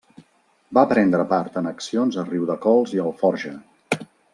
Va prendre part en accions a Riudecols i Alforja.